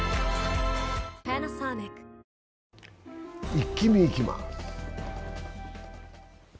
「イッキ見」いきます。